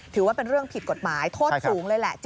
ถือว่าเป็นเรื่องผิดกฎหมายโทษสูงเลยแหละ